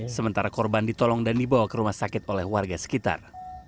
sementara korban ditolong dan dibawa ke rumah sakit oleh warga sekitar